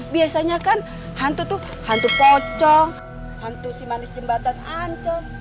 biasanya kan hantu tuh hantu pocong hantu si manis jembatan ancol